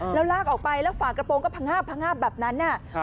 แล้วลากออกไปแล้วฝากกระโปรกก็พังห้าบพังห้าบแบบนั้นอะค่ะ